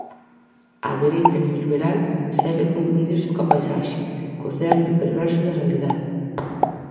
A dereita neoliberal segue a confundirse coa paisaxe, co cerne perverso da realidade.